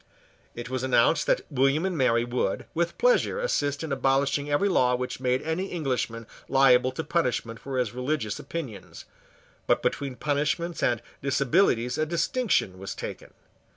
It was announced that William and Mary would, with pleasure, assist in abolishing every law which made any Englishman liable to punishment for his religious opinions. But between punishments and disabilities a distinction was taken.